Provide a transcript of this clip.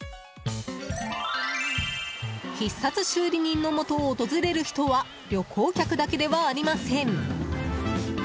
必殺修理人のもとを訪れる人は旅行客だけではありません。